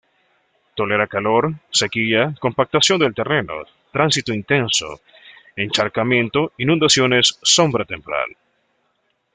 Tolera calor, sequía, compactación del terreno, tránsito intenso, encharcamiento, inundaciones, sombra temporal.